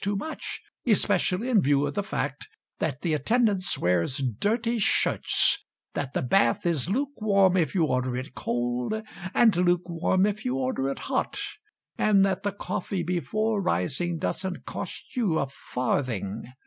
too much, Especially in view of the fact That the attendance wears dirty shirts, That the bath Is lukewarm if you order it cold And lukewarm if you order it hot; And that the coffee before rising Doesn't cost you a farthing.